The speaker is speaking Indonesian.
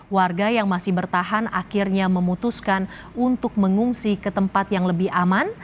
warga yang masih bertahan akhirnya memutuskan untuk mengungsi ke tempat yang lebih aman